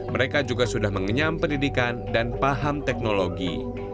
mereka juga sudah mengenyam pendidikan dan paham teknologi